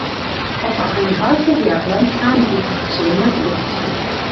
خو په عین حال کې بې عقلان هم دي، چې پوه نه شي.